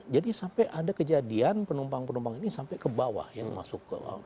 jadi sampai ada kejadian penumpang penumpang ini sampai ke bawah yang masuk ke